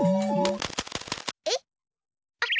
えっ？あっ！